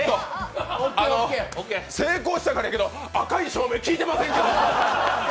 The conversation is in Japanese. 成功したからいいけど、赤い照明、聞いてませんけど！